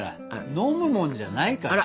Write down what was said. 飲むもんじゃないからさ。